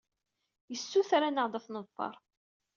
Yessuter-aneɣ-d ad t-neḍfer.